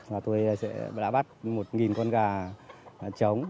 và tôi đã bắt một con gà trống